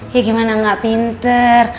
ya gimana gak pinter